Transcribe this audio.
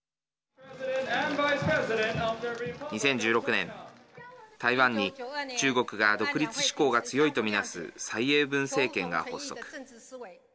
２０１６年、台湾に中国が独立志向が強いと見なす蔡英文政権が発足。